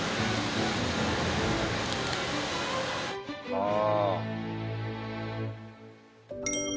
ああ。